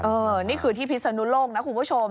นี่คือที่พิศนุโลกนะคุณผู้ชม